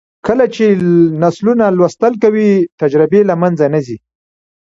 کله چې نسلونه لوستل کوي، تجربې له منځه نه ځي.